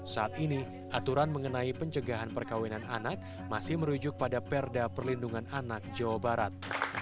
saat ini aturan mengenai pencegahan perkawinan anak masih merujuk pada perda perlindungan anak jawa barat